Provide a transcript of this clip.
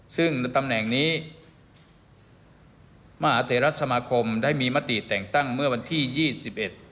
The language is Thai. ซึ่งในตำแหน่งนี้มหาเทรสมาคมได้มีมติแต่งตั้งเมื่อวันที่ยี่สิบเอ็ด